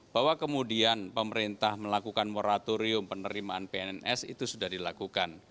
bahwa kemudian pemerintah melakukan moratorium penerimaan pns itu sudah dilakukan